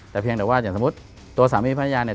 แต่เพียงแต่ว่าอย่างสมมุติตัวสามีภรรยาเนี่ย